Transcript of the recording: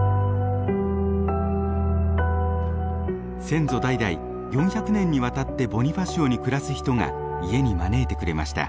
先祖代々４００年にわたってボニファシオに暮らす人が家に招いてくれました。